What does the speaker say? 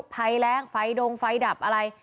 ภัยแรงไฟดงไฟดับอะไร